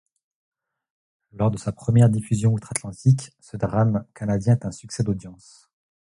Lors de sa première diffusion outre-atlantique, ce drame canadien est un succès d'audiences.